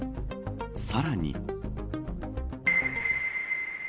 さらに。